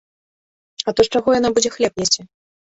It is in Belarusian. А то з чаго яна будзе хлеб есці?